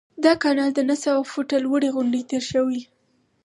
دا کانال د نهه سوه فوټه لوړې غونډۍ تیر شوی.